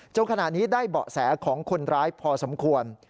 ขณะนี้ได้เบาะแสของคนร้ายพอสมควร